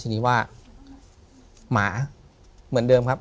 ถูกต้องไหมครับถูกต้องไหมครับ